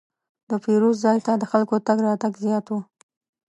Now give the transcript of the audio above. د پیرود ځای ته د خلکو تګ راتګ زیات و.